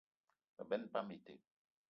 Me benn pam ite.